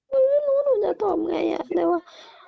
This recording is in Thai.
ไม่รู้ว่าหนูจะทำไงแต่ว่า